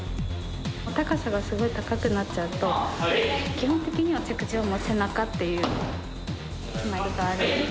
高さがすごい高くなっちゃうと、基本的には着地は背中という決まりがある。